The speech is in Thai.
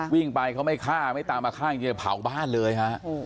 วิ่งไปเขาไม่ฆ่าไม่ตามมาฆ่าจริงเผาบ้านเลยฮะ